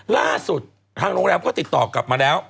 ล่าสุดทางโรงแรมก็ติดต่อกลับมาแล้ว